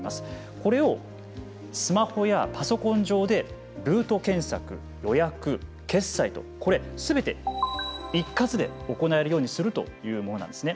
これをスマホやパソコン上でルート検索、予約、決済とこれ、すべて一括で行えるようにするというものなんですね。